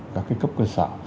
các cái cấp cơ sở